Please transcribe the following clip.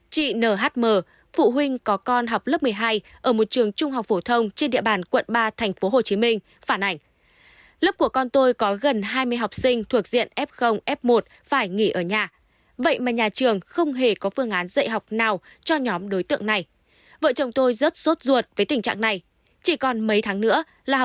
chị nhm phụ huynh có con học lớp một mươi hai ở một trường trung học phổ thông trên địa bàn quận ba tp hcm phản ảnh